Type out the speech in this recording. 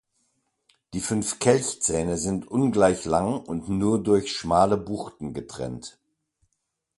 Die fünf Kelchzähne sind ungleich lang und nur durch schmale Buchten getrennt.